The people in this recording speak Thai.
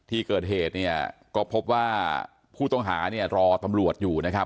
ที่เกิดเหตุเนี่ยก็พบว่าผู้ต้องหาเนี่ยรอตำรวจอยู่นะครับ